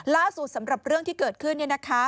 สำหรับเรื่องที่เกิดขึ้น